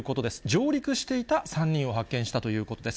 上陸していた３人を発見したということです。